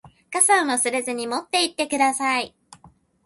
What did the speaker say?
傘を忘れずに持って行ってください。